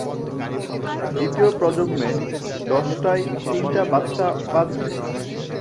দ্বিতীয় প্রজন্মে, দশটায় তিনটা বাচ্চা বাঁচবে।